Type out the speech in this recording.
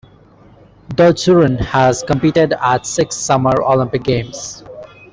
Dorjsuren has competed at six Summer Olympic Games.